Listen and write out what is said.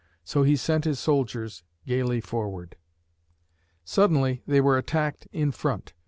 So he sent his soldiers gayly forward. Suddenly, they were attacked in front!